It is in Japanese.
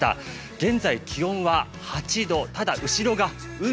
現在、気温は８度、ただ後ろが海。